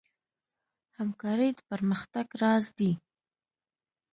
همکاري د پرمختګ راز دی.